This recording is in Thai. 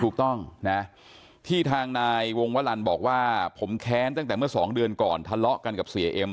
ถูกต้องนะที่ทางนายวงวลันบอกว่าผมแค้นตั้งแต่เมื่อสองเดือนก่อนทะเลาะกันกับเสียเอ็ม